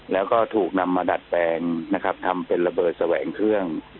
แล้วก็ถูกนำมาดัดแปลงนะครับทำเป็นระเบิดแสวงเครื่อง